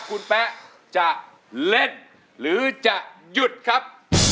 คุณแป๊ะจะเล่นหรือจะหยุดครับ